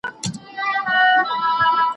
زه به د درسونو يادونه کړې وي!؟